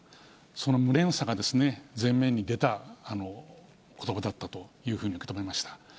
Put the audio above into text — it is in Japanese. その無念さが全面に出たことばだったというふうに受け止めました。